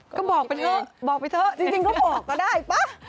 ก็บอกไปเถอะจริงก็บอกก็ได้ปะ